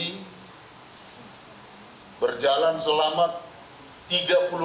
sebenarnya ia menjadi